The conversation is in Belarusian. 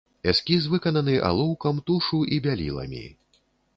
Эскіз выкананы алоўкам, тушу і бяліламі.